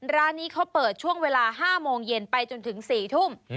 ร้านนี้เขาเปิดช่วงเวลา๕โมงเย็นไปจนถึง๔ทุ่ม